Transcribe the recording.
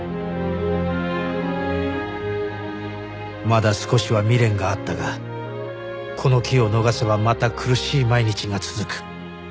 まだ少しは未練があったがこの機を逃せばまた苦しい毎日が続く。